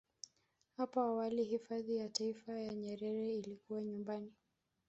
Hapo awali hifadhi ya Taifa ya Nyerere ilikuwa nyumbani